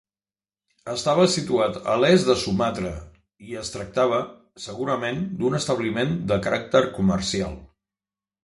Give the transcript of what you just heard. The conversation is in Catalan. Estava situat a l'est de Sumatra, i es tractava segurament d'un establiment de caràcter comercial.